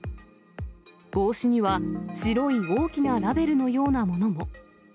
帽子には白い大きなラベルのようなものも。